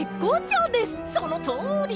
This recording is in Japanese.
そのとおり！